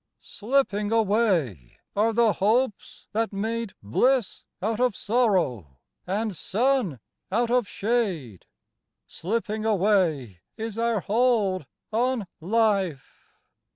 Slipping away are the hopes that made Bliss out of sorrow, and sun out of shade. Slipping away is our hold on life.